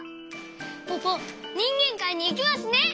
ポポにんげんかいにいけますね！